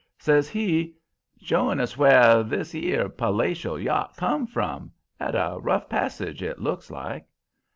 Says he: "'Showing us w'ere this 'ere palatial yacht come from. 'Ad a rough passage, it looks like!'